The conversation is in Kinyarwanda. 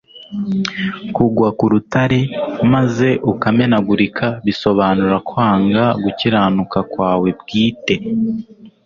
Kugwa ku Rutare maze ukamenaGurika bisobanura kwanga gukiranuka kwawe bwite,